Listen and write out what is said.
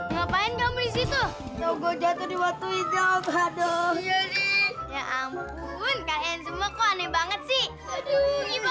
ngapain kamu disitu jatuh diwaktu itu aduh ya ampun kalian semua kok aneh banget sih aduh